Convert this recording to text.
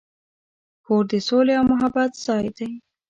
کور د سولې او محبت ځای دی.